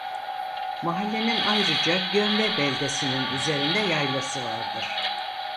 Mahallenin ayrıca Gömbe beldesinin üzerinde yaylası vardır.